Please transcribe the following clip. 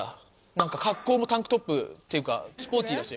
なんか恰好もタンクトップっていうかスポーティーだし。